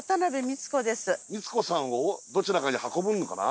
ミツ子さんをどちらかに運ぶのかな？